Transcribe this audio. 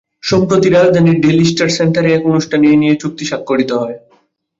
সম্প্রতি রাজধানীর Daily Star সেন্টারে এক অনুষ্ঠানে এ নিয়ে চুক্তি স্বাক্ষরিত হয়।